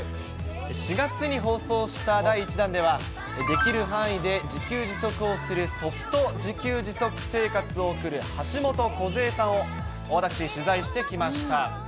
４月に放送した第１弾では、できる範囲で自給自足をするソフト自給自足生活をする橋本梢さんを私、取材してきました。